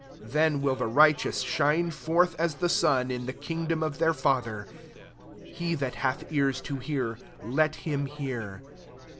43 Then will the righteous shine forth as the sun, in the king dom of their Father. He that hath ears to hear, let him hear.